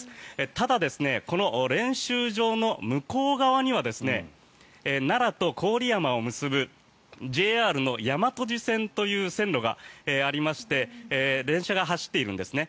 ただ、この練習場の向こう側には奈良と郡山を結ぶＪＲ大和路線という線路がありまして電車が走っているんですね。